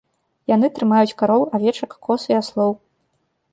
Яны трымаюць кароў, авечак, коз і аслоў.